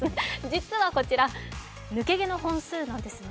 実はこちら、抜け毛の本数なんですね。